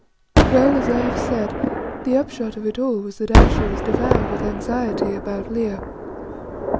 Well, as I have said, the upshot of it all was that Ayesha was devoured with anxiety about Leo.